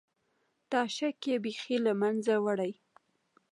دا شک بیخي له منځه وړي.